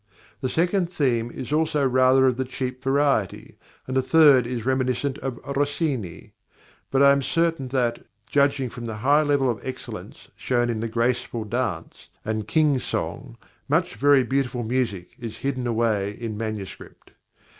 The second theme is also rather of the cheap variety, and the third is reminiscent of Rossini; but I am certain that, judging from the high level of excellence shown in the "Graceful Dance" and "King's Song," much very beautiful music is hidden away in manuscript.